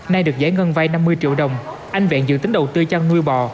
nay được giải ngân vay năm mươi triệu đồng anh vẹn dự tính đầu tư chăn nuôi bò